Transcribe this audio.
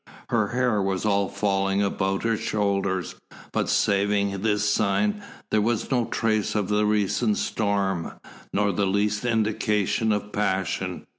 Her hair was all falling about her shoulders, but saving this sign, there was no trace of the recent storm, nor the least indication of passion.